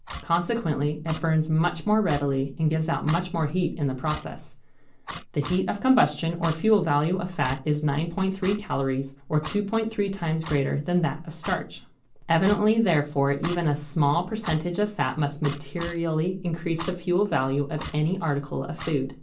Consequently it burns much more readily and gives out much more heat in the process. The heat of combustion or fuel value of fat is 9·3 calories or 2·3 times greater than that of starch. Evidently therefore even a small percentage of fat must materially increase the fuel value of any article of food.